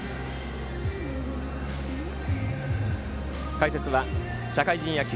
解説は社会人野球